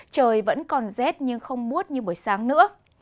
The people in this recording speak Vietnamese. trời vẫn còn rét nhưng không mút như buổi sáng nữa